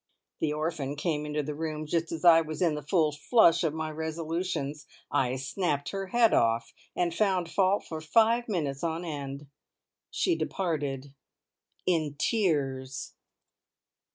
The orphan came into the room just as I was in the full flush of my resolutions. I snapped her head off, and found fault for five minutes on end. She departed in tears.